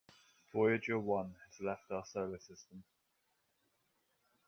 Voyager One has left our solar system.